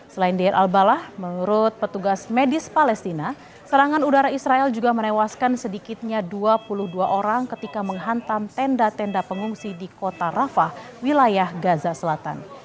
selain diir al balah menurut petugas medis palestina serangan udara israel juga menewaskan sedikitnya dua puluh dua orang ketika menghantam tenda tenda pengungsi di kota rafah wilayah gaza selatan